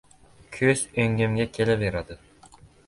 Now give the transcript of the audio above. ko‘z o‘ngimga kelaveradi.